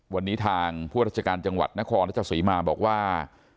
วันนี้ทางผู้ราชการจังหวัดนครรัชศรีมาบอกว่า